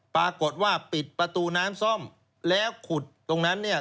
ปรากฏว่าปิดประตูน้ำซ่อม